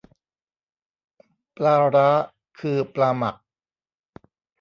ปลาร้า คือปลาหมัก